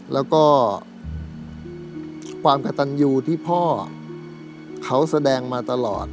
แล้วก็ความกระตันยูที่พ่อเขาแสดงมาตลอด